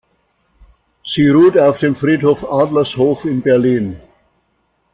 Sie ruht auf dem Friedhof Adlershof in Berlin.